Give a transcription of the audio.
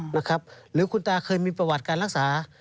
หรือคุณตาเคยมีประวัติการรักษา